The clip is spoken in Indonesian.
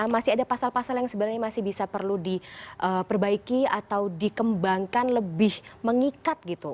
masih ada pasal pasal yang sebenarnya masih bisa perlu diperbaiki atau dikembangkan lebih mengikat gitu